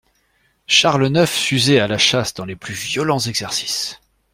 Charles neuf s'usait à la chasse dans les plus violents exercices.